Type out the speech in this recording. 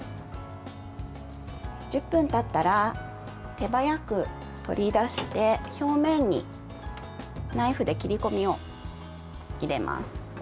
１０分たったら手早く取り出して表面にナイフで切り込みを入れます。